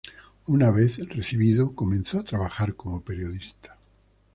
Una vez recibido, comenzó a trabajar como periodista.